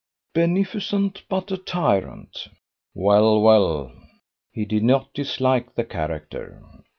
"Beneficent, but a tyrant!" "Well, well." He did not dislike the character.